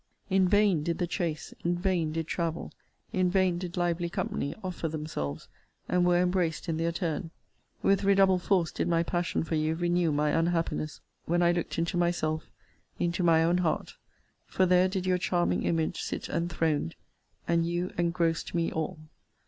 In vain did the chace, in vain did travel, in vain did lively company, offer themselves, and were embraced in their turn: with redoubled force did my passion for you renew my unhappiness, when I looked into myself, into my own heart; for there did your charming image sit enthroned; and you engrossed me all.